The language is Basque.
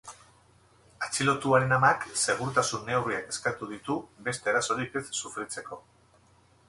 Atxilotuaren amak segurtasun neurriak eskatu ditu beste erasorik ez sufritzeko.